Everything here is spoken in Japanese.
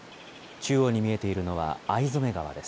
中央に見えているのは逢初川です。